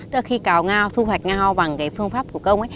tức là khi cào nga thu hoạch ngao bằng cái phương pháp thủ công ấy